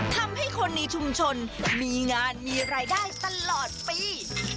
ทำให้คนในชุมชนมีงานมีรายได้ตลอดปี